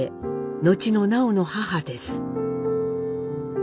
後の南朋の母です。